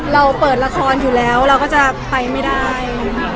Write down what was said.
เราเปิดละครอยู่แล้วเราก็จะไปไม่ได้